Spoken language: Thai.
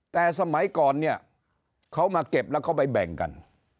แต่สมัยก่อนเนี่ยเขามาเก็บแล้วเขาไปแบ่งกัน